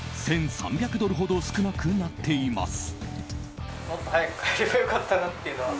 １３００ドルほど少なくなっています。